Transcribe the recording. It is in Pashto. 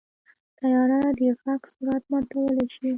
طیاره د غږ سرعت ماتولی شي.